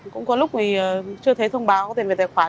cũng có lúc thì chưa thấy thông báo có tiền về tài khoản